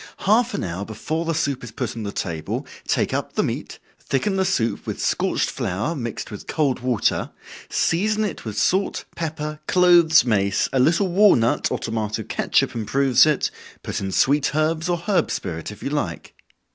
Half an hour before the soup is put on the table, take up the meat, thicken the soup with scorched flour, mixed with cold water, season it with salt, pepper, cloves, mace, a little walnut, or tomato catsup improves it, put in sweet herbs or herb spirit if you like.